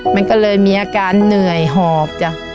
มันก็เลยมีอาการเหนื่อยหอบจ้ะ